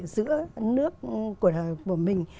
giữa nước của mình